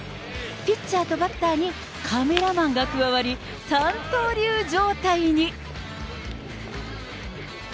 ピッチャーとバッターにカメラマンが加わり、三刀流状態に。